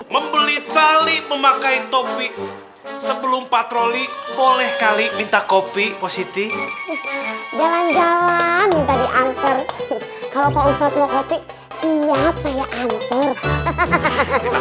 membeli tali memakai topi sebelum patroli boleh kali minta kopi positi jalan jalan